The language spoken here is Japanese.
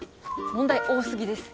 問題多すぎです。